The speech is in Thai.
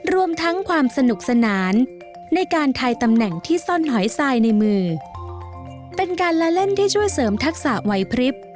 รวมทั้งความสนุกสนานในการทายตำแหน่งที่ซ่อนหอยทรายในมือเป็นการละเล่นที่ช่วยเสริมทักษะวัยพริบ